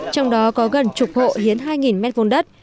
trong đó có gần chục hộ hiến hai m hai đất